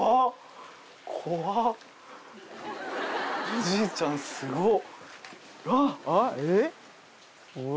おじいちゃんすごっ。